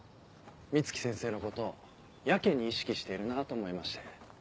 美月先生のことをやけに意識しているなと思いまして。